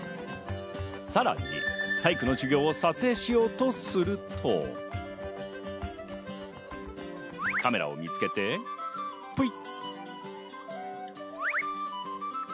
さらに、体育の授業を撮影をしようとすると、カメラを見つけてぷいっ。